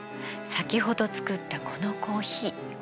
さきほど作ったこのコーヒー。